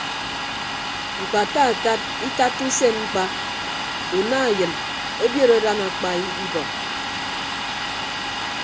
Ñkpataatat itatta usen ñkpa una eyịn obiot adan akpa ibọk.